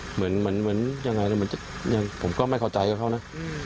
เหมือนผมก็ไม่เข้าใจเขานะ